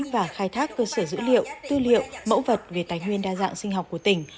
và khai thác cơ sở dữ liệu tư liệu mẫu vật về tài nguyên đa dạng sinh học của tỉnh